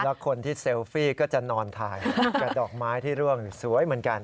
แล้วคนที่เซลฟี่ก็จะนอนถ่ายแต่ดอกไม้ที่ร่วงสวยเหมือนกัน